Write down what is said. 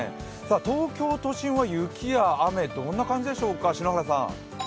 東京都心は雪や雨、どんな感じでしょうか。